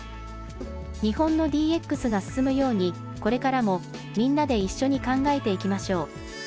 日本のＤＸが進むようにこれからも、みんなで一緒に考えていきましょう。